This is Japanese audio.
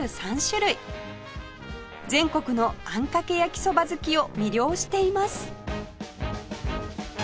全国のあんかけ焼きそば好きを魅了しています